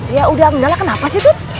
ya udah menyalah kenapa sih tuh